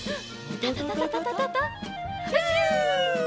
タタタタタタひゅ！